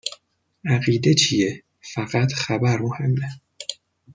عقیده چیه؟ فقط خبر مهمه